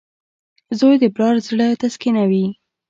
• زوی د پلار زړۀ تسکینوي.